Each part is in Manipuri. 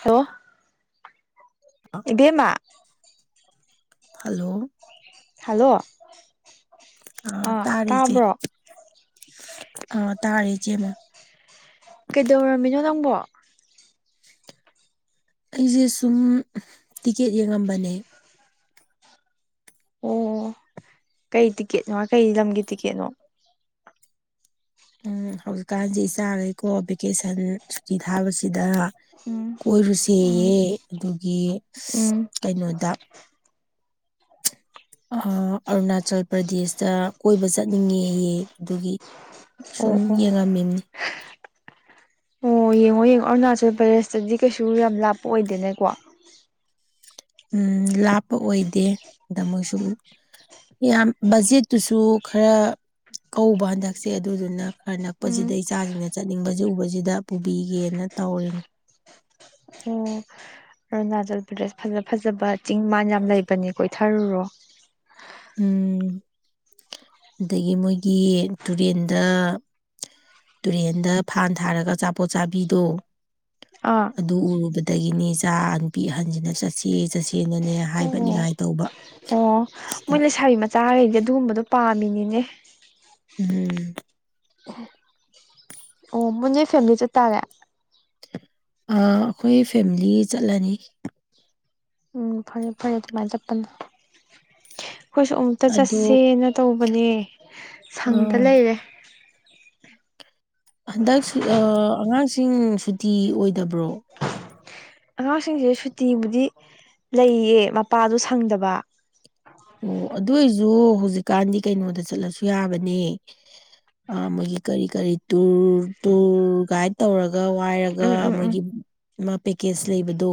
ꯍꯜꯂꯣ ꯑ ꯏꯕꯦꯝꯃ ꯍꯜꯂꯣ ꯍꯜꯂꯣ ꯑ ꯑꯥ ꯇꯥꯔꯦ ꯏꯆꯦ ꯇꯥꯕ꯭ꯔꯣ ꯑ ꯇꯥꯔꯦ ꯏꯆꯦꯃ ꯀꯩꯗꯧꯔꯝꯃꯤꯅꯣ ꯅꯪꯕꯣ ꯑꯩꯖꯦ ꯁꯨꯝ ꯇꯤꯀꯦꯠ ꯌꯦꯡꯉꯝꯕꯅꯦ ꯑꯣ ꯀꯩ ꯇꯤꯛꯀꯦꯠꯅꯣ ꯀꯩ ꯂꯝꯒꯤ ꯇꯤꯛꯀꯦꯠꯅꯣ ꯎꯝ ꯍꯧꯖꯤꯛꯀꯥꯟꯁꯤ ꯏꯆꯥꯒꯩꯀꯣ ꯚꯦꯀꯦꯁꯟ ꯁꯨꯇꯤ ꯊꯥꯕꯁꯤꯗ ꯎꯝ ꯎꯝ ꯀꯣꯏꯔꯨꯁꯦꯌꯦ ꯑꯗꯨꯒꯤ ꯎꯝ ꯀꯩꯅꯣꯗ ꯑ ꯑꯔꯨꯅꯥꯆꯜ ꯄ꯭ꯔꯗꯦꯁꯇ ꯀꯣꯏꯕ ꯆꯠꯅꯤꯡꯉꯦꯌꯦ ꯑꯗꯨꯒꯤ ꯁꯨꯝ ꯑꯣ ꯑꯣ ꯌꯦꯡꯉꯝꯃꯤꯝꯅꯤ [inaudible] ꯑꯣ ꯌꯦꯡꯉꯣ ꯌꯦꯡꯉꯣ ꯑꯔꯨꯅꯥꯆꯜ ꯄ꯭ꯔꯗꯦꯁꯇꯗꯤ ꯀꯩꯁꯨ ꯌꯥꯝ ꯂꯥꯞꯄ ꯑꯣꯏꯗꯦꯅꯦꯀꯣ ꯎꯝ ꯂꯥꯞꯄ ꯑꯣꯏꯗꯦ ꯗ ꯃꯣꯏꯁꯨꯝ ꯌꯥꯝ ꯕꯖꯦꯠꯇꯨꯁꯨ ꯈꯔ ꯀꯧꯕ ꯍꯟꯗꯛꯁꯦ ꯑꯗꯨꯗꯨꯅ ꯈꯔ ꯅꯛꯄꯁꯤꯗ ꯎꯝ ꯏꯆꯥꯁꯤꯡꯅ ꯆꯠꯅꯤꯡꯕꯁꯤ ꯎꯕꯁꯤꯗ ꯄꯨꯕꯤꯒꯦꯅ ꯇꯧꯔꯤꯅꯤ ꯑꯣ ꯑꯔꯨꯅꯥꯆꯜ ꯄ꯭ꯔꯗꯦꯁ ꯐꯖ ꯐꯖꯕ ꯆꯤꯡ ꯃꯥꯟ ꯌꯥꯝ ꯂꯩꯕꯅꯦ ꯀꯣꯏꯊꯔꯨꯔꯣ ꯎꯝ ꯑꯗꯒꯤ ꯃꯣꯏꯒꯤ ꯇꯨꯔꯦꯟꯗ ꯇꯨꯔꯦꯟꯗ ꯐꯥꯟ ꯊꯥꯔꯒ ꯑꯆꯥꯄꯣꯠ ꯆꯥꯕꯤꯗꯣ ꯑꯥ ꯑꯗꯨ ꯎꯔꯨꯕꯗꯒꯤꯅꯤ ꯏꯆꯥ ꯅꯨꯄꯤ ꯑꯍꯟꯁꯤꯅ ꯆꯠꯁꯦ ꯆꯠꯁꯦꯅꯅꯦ ꯍꯥꯏꯕ ꯑꯣ ꯅꯤꯉꯥꯏ ꯇꯧꯕ ꯑꯣ ꯁꯤꯗ ꯃꯣꯏ ꯂꯩꯁꯥꯕꯤ ꯃꯆꯥꯈꯩꯖꯦ ꯑꯗꯨꯒꯨꯝꯕꯗꯣ ꯄꯥꯝꯃꯤꯅꯤꯅꯦ ꯎꯝ ꯑꯣ ꯃꯣ ꯅꯣꯏ ꯐꯦꯝꯂꯤ ꯆꯠꯇꯥꯥꯔꯦ ꯑꯥ ꯑꯩꯈꯣꯏ ꯐꯦꯝꯂꯤ ꯆꯠꯂꯅꯤ ꯎꯝ ꯐꯔꯦ ꯐꯔꯦ ꯑꯗꯨꯃꯥꯏꯅ ꯆꯠꯄꯅ ꯑꯈꯣꯏꯁꯨ ꯑꯃꯨꯛꯇ ꯑꯗꯣ ꯆꯠꯁꯦꯅ ꯇꯧꯕꯅꯦ ꯁꯪꯗ ꯂꯩꯔꯦ ꯍꯟꯗꯛ ꯁꯨ ꯑꯥ ꯑꯉꯥꯡꯁꯤꯡ ꯁꯨꯇꯤ ꯑꯣꯏꯗꯕ꯭ꯔꯣ ꯑꯉꯥꯡꯁꯤꯡꯁꯦ ꯁꯨꯇꯤꯕꯨꯗꯤ ꯂꯩꯌꯦ ꯃꯄꯥꯗꯣ ꯁꯪꯗꯕ ꯑꯣ ꯑꯗꯨꯏꯖꯨ ꯍꯧꯖꯤꯛꯀꯥꯟꯗꯤ ꯀꯩꯅꯣꯗ ꯆꯠꯂꯁꯨ ꯌꯥꯕꯅꯦ ꯑ ꯃꯣꯏꯒꯤ ꯀꯔꯤ ꯀꯔꯤ ꯇꯨꯔ ꯇꯨꯔ ꯀꯥꯏ ꯇꯧꯔ ꯋꯥꯏꯔꯒ ꯎꯝ ꯎꯝ ꯎꯝ ꯃꯣꯏꯒꯤ ꯃꯥ ꯄꯦꯀꯦꯁ ꯂꯩꯕꯗꯣ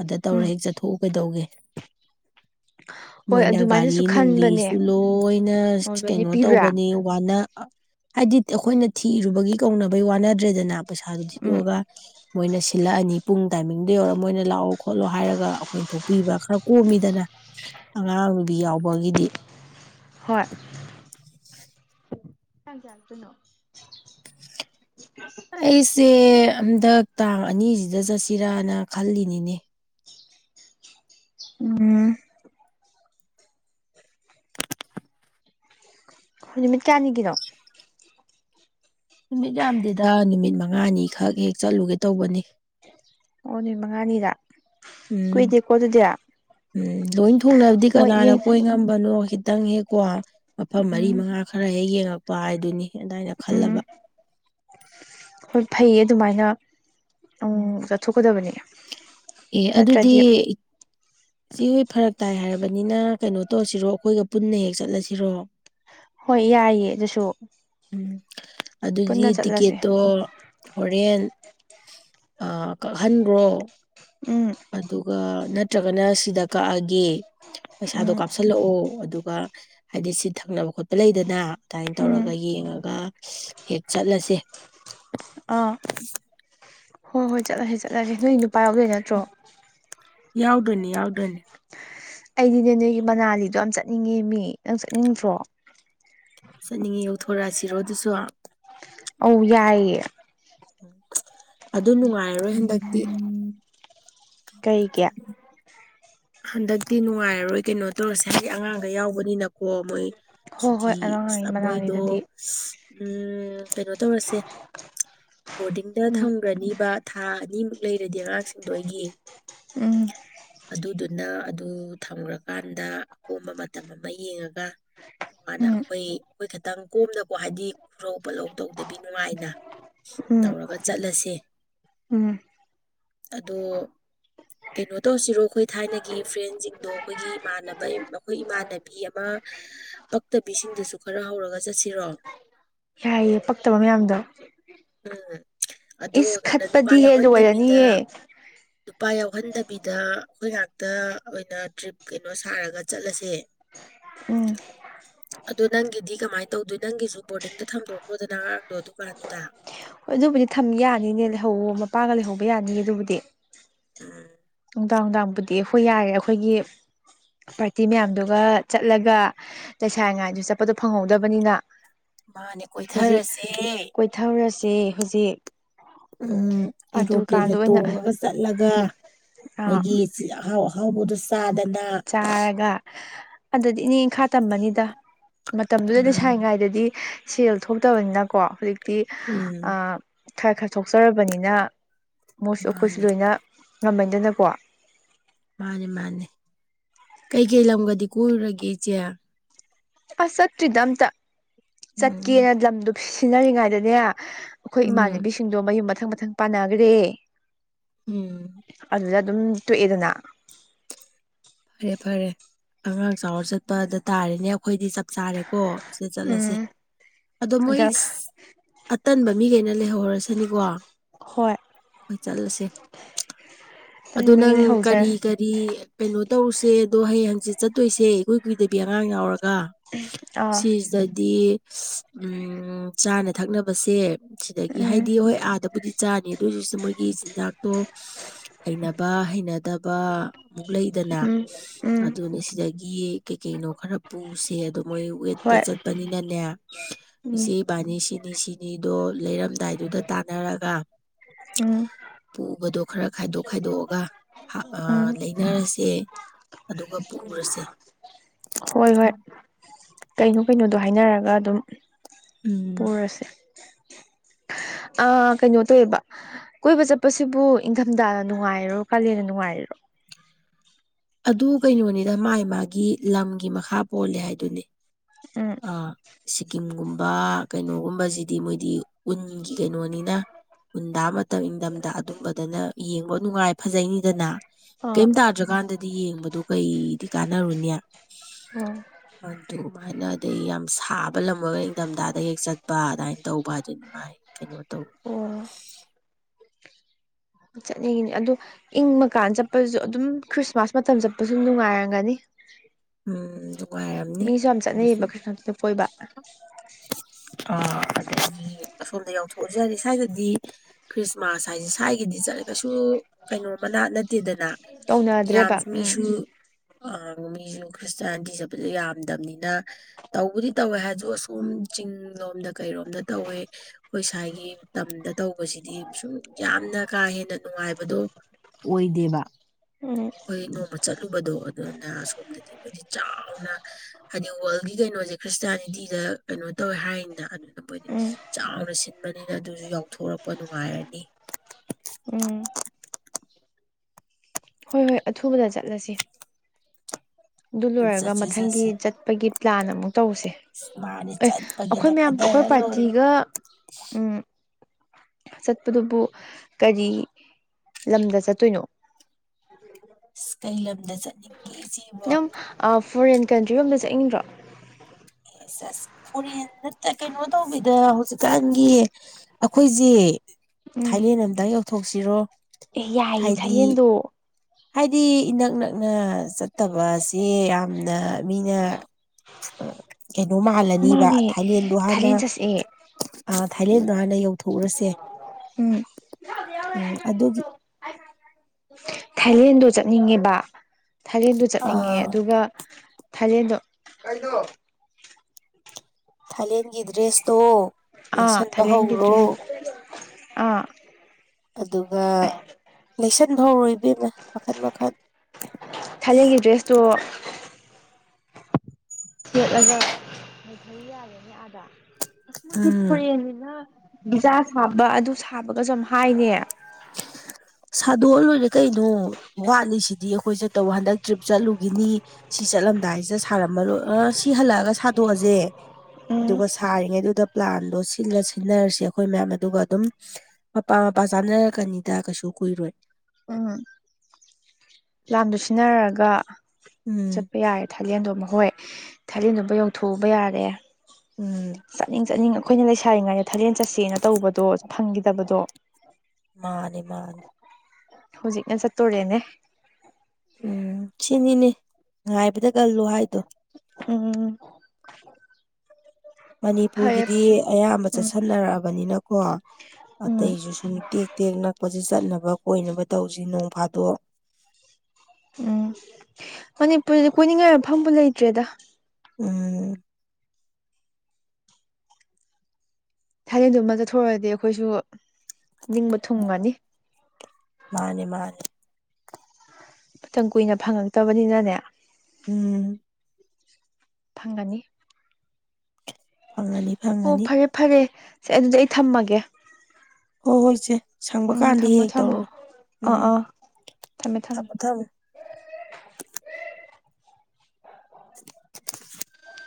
ꯑꯗ ꯇꯧꯔ ꯎꯝ ꯍꯦꯛ ꯆꯠꯊꯣꯛꯎ ꯀꯩꯗꯧꯒꯦ ꯍꯣꯏ ꯃꯣꯏꯅ ꯒꯥꯔꯤ ꯑꯗꯨꯃꯥꯏꯅꯁꯨ ꯅꯨꯡꯂꯤꯁꯨ ꯈꯟꯕꯅꯦ ꯂꯣꯏꯅ ꯑꯣ ꯂꯣꯏꯅ ꯀꯩꯅꯣ ꯄꯤꯕ꯭ꯔꯥ ꯇꯧꯕꯅꯤ ꯋꯥꯅ ꯍꯥꯏꯗꯤ ꯑꯩꯈꯣꯏꯅ ꯊꯤꯔꯨꯕꯒꯤ ꯀꯧꯅꯕꯩ ꯋꯥꯅꯗ꯭ꯔꯦꯗꯅ ꯄꯩꯁꯥꯗꯨ ꯎꯝ ꯊꯤꯗꯣꯛꯑꯒ ꯃꯣꯏꯅ ꯁꯤꯜꯂꯛꯑꯅꯤ ꯄꯨꯡ ꯇꯥꯏꯃꯤꯡꯗ ꯌꯧꯔꯒ ꯃꯣꯏꯅ ꯂꯥꯛꯑꯣ ꯈꯣꯠꯂꯣ ꯍꯥꯏꯔꯒ ꯑꯩꯈꯣꯏꯅ ꯊꯣꯛꯄꯤꯕ ꯈꯔ ꯀꯣꯝꯃꯤꯗꯅ [inaudible] ꯑꯉꯥꯡ ꯅꯨꯕꯤ ꯌꯥꯎꯕꯒꯤꯗꯤ ꯍꯣꯏ [unintelligible] ꯑꯩꯁꯦ ꯍꯟꯗꯛ ꯇꯥꯡ ꯑꯅꯤꯁꯤꯗ ꯆꯠꯁꯤꯔꯅ ꯈꯜꯂꯤꯅꯤꯅꯦ ꯎꯝ ꯍꯣꯏ ꯅꯨꯃꯤꯠ ꯀꯌꯥꯅꯤꯒꯤꯅꯣ ꯅꯨꯃꯤꯠ ꯌꯥꯝꯗꯦꯗ ꯅꯨꯃꯤꯠ ꯃꯉꯥꯅꯤꯈꯛ ꯍꯦꯛ ꯆꯠꯂꯨꯒꯦ ꯇꯧꯕꯅꯤ ꯑꯣ ꯅꯨꯃꯤꯠ ꯃꯉꯥꯅꯤꯔꯥ ꯎꯝ ꯎꯝ ꯂꯣꯏ ꯊꯨꯡꯅꯕꯗꯤ ꯍꯣꯏ ꯀꯅꯥꯅ ꯌꯦꯡ ꯀꯣꯏ ꯉꯝꯕꯅꯣ ꯈꯤꯇꯪ ꯍꯦꯛ ꯀꯣ ꯃꯐꯝ ꯃꯔꯤ ꯎꯝ ꯃꯉꯥ ꯈꯔ ꯍꯦꯛ ꯌꯦꯡꯉꯛꯄ ꯍꯥꯏꯗꯨꯅꯤ ꯑꯗ ꯑꯩꯅ ꯈꯜꯂꯕ ꯎꯝ ꯍꯣꯏ ꯐꯩꯌꯦ ꯑꯗꯨꯃꯥꯏꯅ ꯑꯃꯨꯛ ꯃꯨꯛ ꯆꯠꯊꯣꯛꯀꯗꯕꯅꯤ ꯑꯦ ꯑꯗꯨꯗꯤ ꯆꯦ ꯐꯔꯛ ꯇꯥꯏ ꯍꯥꯏꯔꯕꯅꯤꯅ ꯀꯩꯅꯣ ꯇꯧꯔꯁꯤꯔꯣ ꯑꯩꯈꯣꯏꯒ ꯄꯨꯟꯅ ꯍꯦꯛ ꯆꯠꯂꯁꯤꯔꯣ ꯍꯣꯏ ꯌꯥꯏꯌꯦ ꯑꯗꯨꯁꯨ ꯎꯝ ꯑꯗꯨꯗꯤ ꯄꯨꯟꯅ ꯆꯠꯂꯁꯦ ꯇꯤꯀꯦꯠꯇꯣ ꯍꯣꯔꯦꯟ ꯀꯛꯍꯟꯒ꯭ꯔꯣ ꯎꯝ ꯑꯗꯨꯒ ꯅꯠꯇ꯭ꯔꯒꯅ ꯁꯤꯗ ꯀꯛꯑꯒꯦ ꯄꯩꯁꯥꯗꯣ ꯎꯝ ꯀꯥꯞꯁꯤꯜꯂꯛꯑꯣ ꯑꯗꯨꯒ ꯍꯥꯏꯗꯤ ꯁꯤ ꯊꯪꯅꯕ ꯈꯣꯠꯄ ꯂꯩꯗꯅ ꯑꯗꯨꯃꯥꯏꯅ ꯇꯧꯔꯒ ꯎꯝ ꯌꯦꯡ ꯌꯦꯡꯉꯒ ꯍꯦꯛ ꯆꯠꯂꯁꯦ ꯑꯥ ꯍꯣꯏ ꯍꯣꯏ ꯆꯠꯂꯁꯤ ꯆꯠꯂꯁꯤ ꯅꯣꯏ ꯅꯨꯄꯥ ꯌꯥꯎꯗꯣꯏ ꯅꯠꯇ꯭ꯔꯣ ꯌꯥꯎꯗꯣꯏꯅꯤ ꯌꯥꯎꯗꯣꯏꯅꯤ ꯑꯩꯗꯤꯅꯦ ꯅꯣꯏꯒꯤ ꯃꯅꯥꯂꯤꯗꯣ ꯌꯥꯝ ꯆꯠꯅꯤꯡꯉꯦꯃꯤ ꯅꯪ ꯆꯠꯅꯤꯡꯗ꯭ꯔꯣ ꯆꯠꯅꯤꯡꯉꯤ ꯌꯧꯊꯣꯔꯛꯑꯁꯤꯔꯣ ꯑꯗꯨꯁꯨ ꯑꯧ ꯌꯥꯏꯌꯦ ꯑꯗꯨ ꯅꯨꯡꯉꯥꯏꯔꯣꯏ ꯍꯟꯗꯛꯇꯤ ꯀꯩꯒꯤ ꯍꯟꯗꯛꯇꯤ ꯅꯨꯡꯉꯥꯏꯔꯔꯣꯏ ꯀꯩꯅꯣ ꯇꯧꯔꯁꯦ ꯍꯥꯏꯗꯤ ꯑꯉꯥꯡꯒꯩ ꯌꯥꯎꯕꯅꯤꯅꯀꯣ ꯃꯣꯏ ꯍꯣꯏ ꯍꯣꯏ ꯁꯨꯇꯤ ꯑꯉꯥꯡꯉꯩ ꯑꯥ ꯃꯣꯏꯗꯣ ꯃꯅꯥꯂꯤꯗꯗꯤ ꯎꯝ ꯀꯩꯅꯣ ꯇꯧꯔꯁꯦ ꯕꯣꯔꯗꯤꯡꯗ ꯎꯝ ꯊꯝꯒ꯭ꯔꯅꯤꯕ ꯊꯥ ꯑꯅꯤꯃꯨꯛ ꯂꯩꯔꯗꯤ ꯑꯉꯥꯡꯁꯤꯡꯗꯣ ꯑꯩꯒꯤ ꯎꯝ ꯅ ꯑꯗꯨ ꯊꯝꯒ꯭ꯔꯀꯥꯟꯗ ꯑꯀꯣꯝꯕ ꯃꯇꯝ ꯑꯃ ꯌꯦꯡꯉꯒ ꯑꯗꯨꯀꯥꯟꯅ ꯎꯝ ꯑꯩꯈꯣꯏ ꯑꯩꯈꯣꯏ ꯈꯤꯇꯪ ꯀꯣꯝꯅꯀꯣ ꯍꯥꯏꯗꯤ ꯈꯨꯔꯧ ꯄꯣꯠꯂꯧ ꯇꯧꯗꯕꯤ ꯅꯨꯡꯉꯥꯏꯅ ꯎꯝ ꯇꯧꯔꯒ ꯆꯠꯂꯁꯦ ꯎꯝ ꯑꯗꯣ ꯀꯩꯅꯣ ꯇꯧꯁꯤꯔꯣ ꯑꯩꯈꯣꯏ ꯊꯥꯏꯅꯒꯤ ꯐ꯭ꯔꯦꯟꯁꯤꯡꯗꯣ ꯑꯩꯈꯣꯏꯒꯤ ꯏꯃꯥꯟꯅꯕ ꯑꯩꯈꯣꯏ ꯏꯃꯥꯟꯅꯕꯤ ꯑꯃ ꯄꯛꯇꯕꯤꯁꯤꯡ ꯁꯤꯡꯗꯨꯁꯨ ꯈꯔ ꯍꯧꯔꯒ ꯆꯠꯁꯤꯔꯣ ꯌꯥꯏꯑꯦ ꯄꯛꯇꯕ ꯃꯌꯥꯝꯗꯣ ꯎꯝ ꯑꯗꯨ ꯏꯁ ꯑꯣꯏꯒꯅ ꯅꯨꯄꯥ ꯈꯠꯄꯗꯤꯍꯦ ꯌꯥꯎꯍꯟꯗꯕꯤꯗ ꯂꯣꯏꯔꯅꯤꯍꯦ ꯅꯨꯨꯄꯥ ꯌꯥꯎ ꯌꯥꯎꯍꯟꯗꯕꯤꯗ ꯑꯩꯈꯣꯏ ꯉꯥꯛꯇ ꯑꯣꯏꯅ ꯇ꯭ꯔꯤꯞ ꯀꯩꯅꯣ ꯁꯥꯔꯒ ꯆꯠꯂꯁꯦ ꯎꯝ ꯑꯗꯣ ꯅꯪꯒꯤꯗꯤ ꯀꯃꯥꯏꯅ ꯇꯧꯗꯣꯏꯅꯣ ꯅꯪꯒꯤꯁꯨ ꯕꯣꯔꯗꯤꯡꯗ ꯊꯝꯗꯣꯛꯈ꯭ꯔꯣꯗꯅ ꯑꯉꯥꯡꯗꯣ ꯑꯗꯨꯀꯟꯗꯨꯗ ꯍꯣꯏ ꯑꯗꯨꯕꯨꯗꯤ ꯊꯝ ꯌꯥꯅꯤꯅꯦ ꯂꯩꯍꯧ ꯃꯄꯥꯒ ꯂꯩꯍꯧꯕ ꯌꯥꯅꯤꯌꯦ ꯑꯗꯨꯕꯨꯗꯤ [unintelligible] ꯗꯥꯡ ꯗꯥꯡꯕꯨꯗꯤ ꯍꯣꯏ ꯌꯥꯔꯦ ꯑꯩꯈꯣꯏꯒꯤ ꯄꯥꯔꯇꯤ ꯃꯌꯥꯝꯗꯨꯒ ꯆꯠꯂꯒ ꯂꯩꯁꯥꯔꯤꯉꯥꯏꯗꯤ ꯆꯠꯄꯗꯣ ꯐꯪꯍꯧꯗꯕꯅꯤꯅ ꯃꯥꯅꯦ ꯍꯧꯖꯤꯛ ꯀꯣꯏꯊꯔꯁꯦ ꯀꯣꯏꯊꯧꯔꯁꯦ ꯍꯨꯖꯤꯛ ꯎꯝ ꯑꯦꯔꯣꯄ꯭ꯂꯦꯟꯒ ꯑꯣꯏꯅ ꯇꯣꯡꯉꯒ ꯆꯠꯂꯒ ꯑꯥ ꯃꯣꯏꯒꯤ ꯖꯤ ꯂ ꯑꯍꯥꯎꯕꯗꯨ ꯆꯥꯗꯅ ꯆꯥꯔꯒ ꯑꯗꯨꯗꯤ ꯏꯅꯤꯡ ꯏꯈꯥ ꯇꯝꯃꯅꯤꯗ ꯃꯇꯝꯗꯨꯗꯗꯤ ꯃꯥꯅꯤ ꯂꯩꯁꯥꯔꯤꯉꯩꯗꯗꯤ ꯁꯦꯜ ꯊꯣꯛꯇꯕꯅꯤꯅꯀꯣ ꯍꯨꯖꯤꯛꯇꯤ ꯎꯝ ꯑ ꯈꯔ ꯈꯔ ꯊꯣꯛꯆꯔꯕꯅꯤꯅ ꯃꯣꯏꯁꯨ ꯑꯩꯈꯣꯏꯁꯨ ꯃꯥꯅꯦ ꯂꯣꯏꯅ ꯉꯝꯃꯦꯗꯅꯀꯣ ꯃꯥꯅꯦ ꯃꯥꯅꯦ ꯀꯩꯀꯩ ꯂꯝꯒꯗꯤ ꯀꯣꯏꯔꯨꯔꯒꯦ ꯏꯆꯦ ꯑꯁ ꯆꯠꯇ꯭ꯔꯤꯗ ꯑꯝꯇ ꯎꯝ ꯆꯠꯀꯦꯅ ꯂꯝꯗꯣ ꯁꯤꯟꯅꯔꯤꯉꯥꯏꯗꯅꯦ ꯑꯩꯈꯣꯏ ꯎꯝ ꯏꯃꯥꯟꯅꯕꯤꯁꯤꯡꯗꯣ ꯃꯌꯨꯝ ꯃꯊꯪ ꯃꯊꯪ ꯄꯥꯟꯅꯒ꯭ꯔꯦ ꯎꯝ ꯑꯗꯨꯗ ꯑꯗꯨꯝ ꯇꯣꯛꯑꯦꯗꯅ ꯐꯔꯦ ꯐꯔꯦ ꯑꯉꯥꯡ ꯆꯥꯎꯔ ꯆꯠꯄꯗ ꯇꯥꯔꯦꯅꯦ ꯑꯈꯣꯏꯗꯤ ꯆꯞ ꯆꯥꯔꯦꯀꯣ ꯁꯤꯗ ꯆꯠꯂꯁꯦ ꯎꯝ ꯑꯗꯣ ꯑꯗ ꯃꯣꯏꯁ ꯑꯇꯟꯕ ꯃꯤꯈꯩꯅ ꯂꯩꯍꯧꯔꯁꯤꯅꯤꯀꯣ ꯍꯣꯏ ꯑꯩꯈꯣꯏ ꯆꯠꯂꯁꯦ ꯑꯗꯨ ꯑꯗꯨꯃꯒꯤ ꯅꯪ ꯀꯔꯤ ꯂꯩꯍꯧꯖꯔꯦ ꯀꯔꯤ ꯀꯩꯅꯣ ꯇꯧꯁꯦ ꯑꯗꯣ ꯍꯌꯦꯡ ꯍꯪꯆꯤꯠ ꯆꯠꯇꯣꯏꯁꯦ ꯏꯀꯨꯏ ꯀꯨꯏꯗꯕꯤ ꯑꯉꯥꯡ ꯌꯥꯎꯔ ꯒ ꯑꯥ ꯁꯤꯁꯗꯗꯤ ꯎꯝ ꯆꯥꯅ ꯊꯛꯅꯕꯁꯦ ꯁꯤꯗꯒꯤ ꯎꯝ ꯍꯥꯏꯗꯤ ꯍꯣꯏ ꯑꯥꯗꯕꯨꯗꯤ ꯆꯥꯅꯤ ꯑꯗꯨꯑꯣꯏꯔꯁꯨ ꯃꯣꯏꯒꯤ ꯆꯤꯟꯖꯥꯛ ꯇꯣ ꯍꯩꯅꯕ ꯍꯩꯅꯗꯕ ꯑꯃꯨꯛ ꯂꯩ ꯗꯅ ꯎꯝ ꯎꯝ ꯑꯗꯨꯅꯦ ꯁꯤꯗꯒꯤ ꯀꯩꯀꯩꯅꯣ ꯈꯔ ꯄꯨꯁꯦ ꯑꯗꯣ ꯃꯣꯏ ꯋꯦꯠꯇ ꯍꯣꯏ ꯆꯠꯄꯅꯤꯅꯅꯦ ꯎꯝ ꯏꯆꯦ ꯏꯕꯅꯤ ꯁꯤ ꯅꯤ ꯁꯤꯅꯤꯗꯣ ꯂꯩꯔꯝꯗꯥꯏꯗꯨꯗ ꯇꯥꯟꯅꯔꯒ ꯎꯝ ꯄꯨꯕꯗꯣ ꯈꯔ ꯈꯥꯏꯗꯣꯛ ꯈꯥꯏꯗꯣꯛꯑꯒ ꯍꯥꯞ ꯑ ꯎꯝ ꯂꯩꯅꯔꯁꯤ ꯑꯦ ꯑꯗꯨꯒ ꯄꯨꯔꯁꯦ ꯍꯣꯏ ꯍꯣꯏ ꯀꯩꯅꯣ ꯀꯩꯅꯣꯗꯣ ꯍꯥꯏꯅꯔꯒ ꯑꯗꯨꯝ ꯎꯝ ꯄꯨꯔꯁꯦ ꯑ ꯀꯩꯅꯣ ꯇꯧꯋꯦꯕ ꯀꯣꯏꯕ ꯆꯠꯄꯁꯤꯕꯨ ꯏꯪꯊꯝꯊꯥꯅ ꯅꯨꯡꯉꯥꯏꯔꯣ ꯀꯥꯂꯦꯟꯅ ꯅꯨꯡꯉꯥꯏꯔꯤꯔꯣ ꯑꯗꯨ ꯀꯩꯅꯣꯅꯤꯗ ꯃꯥꯒꯤ ꯃꯥꯒꯤ ꯂꯝꯒꯤ ꯃꯈꯥ ꯄꯣꯜꯂꯦ ꯍꯥꯏꯗꯨꯅꯦ ꯎꯝ ꯑ ꯁꯤꯀꯤꯝꯒꯨꯝꯕ ꯀꯩꯅꯣꯒꯨꯝꯕꯁꯤ ꯗꯤ ꯃꯣꯏꯗꯤ ꯎꯟꯒꯤ ꯀꯩꯅꯣꯅꯤꯅ ꯎꯟ ꯇ ꯃꯇꯝ ꯏꯪꯗꯝꯗ ꯑꯗꯨꯝ ꯑꯗꯩꯅ ꯌꯦꯡꯈꯣꯠ ꯅꯨꯡꯉꯥꯏ ꯐꯖꯩꯅꯤꯗꯅ ꯑꯥ ꯀꯩꯝ ꯇꯥꯗ꯭ꯔꯀꯥꯟꯗ ꯑꯗꯩ ꯌꯦꯡꯕꯗꯣ ꯀꯩꯗꯤ ꯀꯥꯟꯅꯔꯨꯅꯦ ꯑꯣ ꯑꯗꯨꯃꯥꯏꯅ ꯑꯗꯩ ꯌꯥꯝ ꯁꯥꯕ ꯂꯝꯑꯣꯏꯔ ꯏꯪꯊꯝꯊꯥꯗ ꯍꯦꯛ ꯆꯠꯄ ꯑꯗꯥꯏ ꯇꯧꯕꯍꯥꯏꯗꯨꯅꯤ ꯃꯥꯏ ꯀꯩꯅꯣ ꯇꯧ [inaudible] ꯆꯠꯅꯤꯡꯉꯤꯅꯤ ꯑꯗꯨ ꯏꯪꯕꯀꯥꯟ ꯆꯠꯄꯗꯁꯨ ꯑꯗꯨꯝ ꯈ꯭ꯔꯤꯁꯃꯥꯁ ꯃꯇꯝ ꯆꯠꯄꯁꯨ ꯑꯗꯨꯝ ꯅꯨꯡꯉꯥꯏꯔꯝꯒꯅꯤ ꯎꯝ [inaudible] ꯅꯨꯡꯉꯥꯏꯔꯝꯅꯤ ꯃꯤꯁꯨ ꯌꯥꯝ ꯑꯗꯨꯁꯨ ꯆꯠꯅꯩꯌꯦꯕ [unintelligible] ꯀꯣꯏꯕ ꯑ ꯑꯗꯒꯤ ꯑꯁꯣꯝꯗ ꯌꯥꯎꯊꯣꯛꯑꯁꯨ ꯌꯥꯔꯦ ꯁꯥꯏꯗꯗꯤ ꯈ꯭ꯔꯤꯁꯃꯥꯁ ꯍꯥꯏꯁꯦ ꯁꯥꯏꯒꯤꯗꯤ ꯆꯠꯂꯦ ꯀꯩꯁꯨ ꯀꯩꯅꯣ ꯃꯅꯥꯠ ꯅꯠꯇꯦꯗꯅ ꯌꯥꯝ ꯇꯧꯅꯗ꯭ꯔꯦꯕ ꯎꯝ ꯃꯤꯁꯨ ꯑ ꯃꯤꯁꯨ ꯈ꯭ꯔꯤꯁꯇꯥꯟꯇꯤ ꯆꯠꯄꯁꯨ ꯌꯥꯝꯗꯝꯅꯤꯅ ꯇꯧꯕꯨꯗꯤ ꯇꯧꯋꯦ ꯍꯥꯏꯁꯨ ꯑꯁꯣꯝ ꯆꯤꯡ ꯂꯣꯝꯗ ꯀꯩ ꯔꯣꯝꯗ ꯇꯧꯋꯦ ꯑꯩꯈꯣꯏ ꯁꯥꯏꯒꯤ ꯇꯝꯗ ꯇꯧꯕꯁꯤꯗꯤ ꯁꯨꯝ ꯌꯥꯝꯅ ꯀꯥ ꯍꯦꯟꯅ ꯅꯨꯡꯉꯥꯏ ꯕꯗꯣ ꯑꯣꯏꯗꯦꯕ ꯎꯝ ꯈꯣꯏ ꯅꯣꯡꯃ ꯆꯠꯂꯨꯕꯗꯣ ꯑꯗꯨꯗꯅ ꯑꯁꯣꯝꯗ ꯗꯤ ꯆꯥꯎꯅ ꯍꯥꯏꯗꯤ ꯋꯥꯔꯜꯒꯤ ꯀꯩꯅꯣꯁꯦ ꯈ꯭ꯔꯤꯁꯇꯥꯟꯅꯤꯇꯤꯗ ꯀꯩꯅꯣ ꯇꯧꯋꯦ ꯍꯥꯏꯔꯤꯅꯤꯅ ꯑꯗꯨꯅ ꯃꯣꯏꯗꯤ ꯎꯝ ꯆꯥꯎꯅ ꯁꯤꯟꯕꯅꯤꯅ ꯑꯗꯨꯁꯨ ꯌꯥꯎꯊꯣꯔꯛꯄ ꯅꯨꯡꯉꯥꯏꯔꯅꯤ ꯎꯪ ꯍꯣꯏ ꯑꯊꯨꯕꯗ ꯆꯠꯂꯁꯤ ꯑꯗꯨ ꯂꯣꯏꯔꯒ ꯆꯠꯁꯦ ꯃꯊꯪꯒꯤ ꯆꯠꯁꯦ ꯑꯁ, ꯆꯠꯄꯒꯤ ꯄ꯭ꯂꯥꯟ ꯑꯃꯨꯛ ꯇꯧꯁꯦ ꯃꯥꯅꯦ ꯑꯦ ꯑꯩꯈꯣꯏ ꯆꯠꯄꯒꯤꯗ ꯃꯌꯥꯝ ꯈꯟꯊꯔ ꯑꯩꯈꯣꯏ ꯂꯣꯏꯔꯦ ꯄꯇꯤꯒ ꯑꯝ ꯆꯠꯄꯗꯨꯕꯨ ꯀꯔꯤ ꯂꯝꯗ ꯆꯠꯇꯣꯏꯅꯣ [unintelligible] ꯑꯁ ꯀꯩ ꯂꯝꯗ ꯆꯠꯅꯤꯡ ꯅꯪ ꯐꯣꯔꯦꯟ ꯀꯟꯇ꯭ꯔꯤ ꯂꯣꯝꯗ ꯆꯠꯅꯤꯡꯗ꯭ꯔꯣ ꯑꯦ ꯑꯁ ꯐꯣꯔꯦꯟ ꯅ ꯀꯩꯅꯣ ꯇꯧꯕꯗ ꯍꯧꯖꯤꯛꯀꯥꯟꯒꯤ ꯑꯩꯈꯣꯏꯁꯦ ꯎꯝ ꯊꯥꯏꯂꯦꯟ ꯑꯝꯇ ꯌꯧꯊꯣꯛꯁꯤꯔꯣ ꯑꯦ ꯌꯥꯏꯌꯦ ꯍꯥꯏꯗꯤ ꯊꯥꯢꯂꯦꯟꯗꯣ ꯍꯥꯏꯗꯤ ꯏꯅꯛ ꯅꯛꯅ ꯆꯠꯇꯕꯁꯦ ꯌꯥꯝ ꯅ ꯃꯤꯅ ꯀꯩꯅꯣ ꯃꯥꯜꯂꯅꯤꯕ ꯃꯥꯅꯦ ꯊꯥꯏꯂꯦꯟꯗꯣ ꯍꯥꯟꯅ ꯊꯥꯏꯂꯦꯟ ꯆꯠꯁꯦ ꯊꯥꯏꯂꯦꯟꯗꯣ ꯍꯥꯟꯅ ꯌꯧꯊꯣꯛꯎꯔꯁꯦ ꯎꯝ ꯎꯝ ꯑꯗꯨꯒꯤ ꯊꯥꯏꯂꯦꯟꯗꯣ ꯆꯠꯅꯤꯡꯉꯦꯕ ꯊꯥꯏꯂꯦꯟꯗꯣ ꯆꯠꯅꯤꯡꯉꯦ ꯑꯗꯨꯒ ꯊꯥꯢꯂꯦꯟꯗꯣ ꯊꯥꯏꯂꯦꯟꯒꯤ ꯗ꯭ꯔꯦꯁꯇꯣ ꯑꯥ ꯂꯩꯁꯟꯕ ꯊꯥꯏꯂꯦꯟꯒꯤ ꯍꯧꯔꯣ ꯗ꯭ꯔꯦꯁ ꯑꯥ ꯑꯗꯨꯒ ꯂꯩꯁꯟꯕ ꯍꯧꯔꯣ ꯏꯕꯦꯝꯃ ꯃꯈꯟ ꯃꯈꯟ ꯊꯥꯢꯂꯦꯟꯒꯤ ꯗ꯭ꯔꯦꯁꯇꯣ ꯁꯦꯠꯂꯒ ꯅꯩꯊꯔꯨ ꯌꯥꯔꯦꯅꯦ ꯑꯥꯗ ꯑꯁ ꯃꯣꯢꯗꯣ ꯎꯝ ꯐꯣꯔꯦꯟꯅꯤꯅ ꯕꯤꯖꯥ ꯁꯥꯕ ꯑꯗꯨ ꯁꯥꯕꯒꯁꯨꯝ ꯍꯥꯏꯅꯦ ꯁꯥꯗꯣꯛꯑ ꯂꯣꯏꯔꯦ ꯀꯩꯅꯣ ꯋꯥꯠꯂꯤꯁꯤꯗꯤ ꯑꯩꯈꯣꯏ ꯆꯠꯇꯧꯕ ꯍꯟꯗꯛ ꯇ꯭ꯔꯤꯞ ꯆꯠꯂꯨꯈꯤꯅꯤ ꯁꯤ ꯆꯠ ꯂꯝꯗꯥꯏꯁꯤꯗ ꯁꯥꯔꯝꯃꯔꯣꯏ ꯑ ꯁꯤ ꯍꯜꯂꯛꯑꯒ ꯁꯥꯗꯣꯛꯑꯁꯦ ꯎꯝ ꯑꯗꯨꯒ ꯁꯥꯔꯤꯉꯩꯗꯨ ꯗ ꯄ꯭ꯂꯥꯟꯗꯣ ꯁꯤꯜꯂ ꯁꯤꯟꯅꯔꯁꯦ ꯑꯩꯈꯣꯏ ꯃꯌꯥꯝ ꯑꯗꯨꯒ ꯑꯗꯨꯝ ꯃꯄꯥ ꯃꯄꯥ ꯆꯥꯅꯔꯛ ꯀꯅꯤꯇꯥ ꯀꯩꯁꯨ ꯀꯨꯏꯔꯣꯏ ꯂꯥꯝꯗꯣ ꯁꯤꯟꯅꯔꯒ ꯎꯝ ꯆꯠꯄ ꯌꯥꯔꯦ ꯊꯥꯂꯦꯟꯗꯣ ꯃꯈꯣꯏ ꯊꯥꯂꯦꯟꯗꯨꯃ ꯌꯧꯊꯣꯛꯎꯕ ꯌꯥꯔꯦ ꯎꯝ ꯆꯠꯅꯤꯡ ꯆꯠꯅꯤꯡꯉ ꯑꯩꯈꯣꯏꯅ ꯂꯩꯁꯥꯔꯤꯉꯩꯗ ꯊꯥꯂꯦꯟ ꯆꯠꯁꯦꯅ ꯇꯧꯕꯗꯣ ꯐꯪꯈꯤꯗꯕꯗꯣ ꯃꯥꯅꯤ ꯃꯥꯅꯤ ꯍꯧꯖꯤꯛꯅ ꯆꯠꯇꯣꯔꯦꯅꯦ ꯎꯝ ꯁꯤꯅꯤꯅꯦ ꯉꯥꯏꯕꯗ ꯀꯜꯂꯨ ꯍꯥꯏꯗꯣ ꯎꯝ ꯐꯔꯦ ꯃꯅꯤꯄꯨꯔꯒꯤꯗꯤ ꯑꯌꯥꯝꯕ ꯎꯝ ꯆꯠꯁꯟꯅꯔꯛꯑꯕꯅꯤꯅꯀꯣ ꯎꯝ ꯑꯇꯩꯁꯨ ꯁꯨꯝ ꯇꯦꯛ ꯇꯦꯛ ꯅꯛꯄꯁꯤ ꯆꯠꯅꯕ ꯀꯣꯏꯅꯕ ꯇꯧꯁꯤ ꯅꯣꯡ ꯐꯥꯗꯣꯛ ꯎꯝ ꯃꯅꯤꯄꯨꯔꯗ ꯀꯣꯏꯅꯤꯡꯉꯥꯏ ꯃꯐꯝꯕꯨ ꯂꯩꯇ꯭ꯔꯦꯗ ꯎꯝ ꯊꯥꯏꯂꯦꯅꯗꯨꯃ ꯆꯠꯊꯣꯛꯑꯗꯤ ꯑꯩꯈꯣꯏꯁꯨ ꯅꯤꯡꯕ ꯊꯨꯡꯉꯅꯤ ꯃꯥꯅꯦ ꯃꯥꯅꯦ ꯃꯇꯝ ꯀꯨꯏꯅ ꯐꯪꯉꯛꯇꯕꯅꯤꯅꯅꯦ ꯎꯝ ꯐꯪꯒꯅꯤ ꯐꯪꯉꯅꯤ ꯑꯣ ꯐꯪꯉꯅꯤ ꯐꯔꯦ ꯐꯔꯦ ꯁꯦ ꯑꯗꯨꯗꯤ ꯑꯩ ꯊꯝꯃꯒꯦ ꯍꯣꯏ ꯍꯣꯏ ꯏꯆꯦ ꯁꯪꯕ ꯎꯝ ꯀꯥꯟꯗ ꯊꯝꯃꯣ ꯍꯦꯛ ꯊꯝꯃꯣ ꯇꯧꯔꯛꯎ ꯑꯥ ꯎꯝ ꯑꯥ ꯊꯝꯃꯦ ꯊꯝꯃꯦ ꯊꯝꯃꯨ ꯊꯝꯃꯨ [unintelligible] [inaudible]